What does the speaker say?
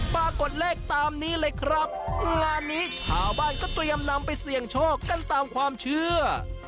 ปรากฏเลขตามนี้เลยครับงานนี้ชาวบ้านก็เตรียมนำไปเสี่ยงโชคกันตามความเชื่อ